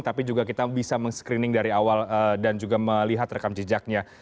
tapi juga kita bisa meng screening dari awal dan juga melihat rekam jejaknya